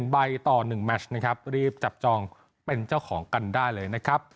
๑ใบต่อ๑แมชรีบจับจองเป็นเจ้าของกันได้เลย